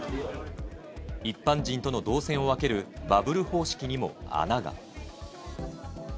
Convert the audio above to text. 一般人との動線を分けるバブル方式にも穴が。